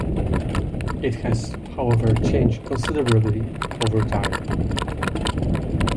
It has however changed considerably over time.